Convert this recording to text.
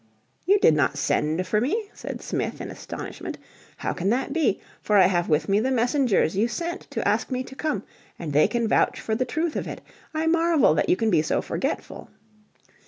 "You did not send for me?" said Smith in astonishment. "How can that be? For I have with me the messengers you sent to ask me to come, and they can vouch for the truth of it. I marvel that you can be so forgetful."